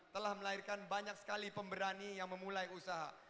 telah melahirkan banyak sekali pemberani yang memulai usaha